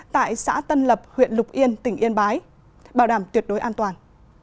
tại xã tân lập huyện lục yên tỉnh yên bái bảo đảm tuyệt đối an toàn